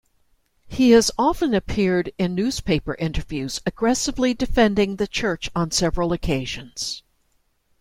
He has often appeared in newspaper interviews, aggressively defending the church on several occasions.